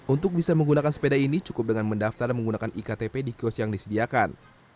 untuk bisa menggunakan sepeda ini cukup dengan mendaftar menggunakan iktp di kios yang disediakan